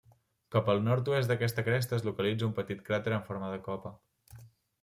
Cap al nord-oest d'aquesta cresta es localitza un petit cràter amb forma de copa.